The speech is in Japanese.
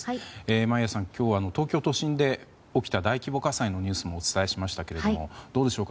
眞家さん、今日は東京都心で起きた大規模火災のニュースもお伝えしましたがどうでしょうか。